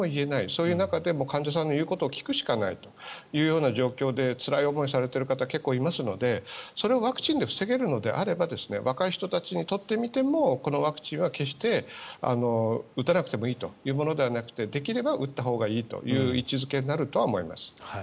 そういう中で患者さんの言うことを聞くしかないという状況でつらい思いをされている方結構いらっしゃいますのでそれをワクチンで防げるのであれば若い人たちにとってみてもこのワクチンは決して打たなくてもいいというものではなくてできれば打ったほうがいいという位置付けになると思います。